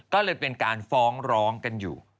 ก็เลยเป็นการฟ้องร้องกันอยู่